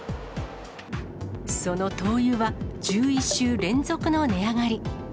その灯油は、１１週連続の値上がり。